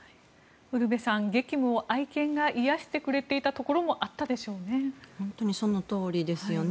ウルヴェさん激務を愛犬が癒やしてくれていたところもあったでしょうね。